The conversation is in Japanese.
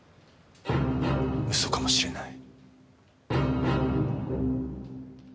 嘘かもしれない。